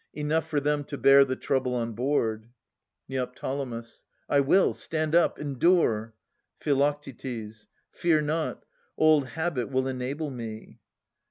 Enough for them to bear The trouble on board. Neo. I will; stand up, endure! Phi. Fear not. Old habit will enable me.